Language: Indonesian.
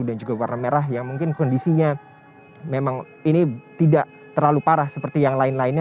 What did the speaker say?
dan juga berwarna merah yang mungkin kondisinya memang ini tidak terlalu parah seperti yang lain lainnya